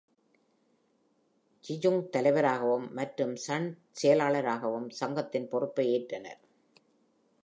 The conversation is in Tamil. யியுங் தலைவராகவும் மற்றும் சன் செயலாளராகவும் சங்கத்தின் பொறுப்பை ஏற்றனர்.